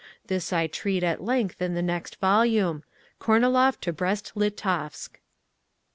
This I treat at length in the next volume, "Kornilov to Brest Litovsk."